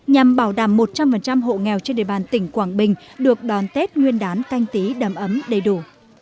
nhằm bảo đảm một trăm linh hộ nghèo trên địa bàn tỉnh quảng bình được đón tết nguyên đán canh tí đầm ấm đầy đủ